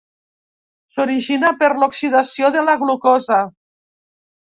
S’origina per l’oxidació de la glucosa.